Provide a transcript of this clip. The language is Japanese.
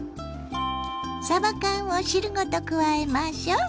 さば缶を汁ごと加えましょう。